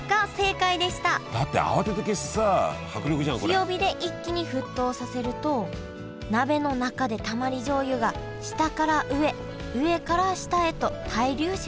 強火で一気に沸騰させると鍋の中でたまり醤油が下から上上から下へと対流します。